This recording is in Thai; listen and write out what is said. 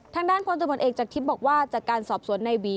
ทางด้านพลตำรวจเอกจากทิพย์บอกว่าจากการสอบสวนในหวี